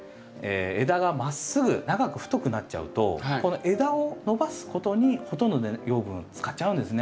枝がまっすぐ長く太くなっちゃうとこの枝を伸ばすことにほとんどの養分を使っちゃうんですね。